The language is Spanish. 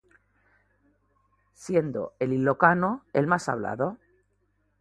Siendo el ilocano el más hablado.